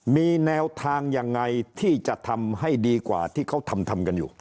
มีแนวทางยังไงที่จะทำให้ดีกว่าที่เขาทำกันอยู่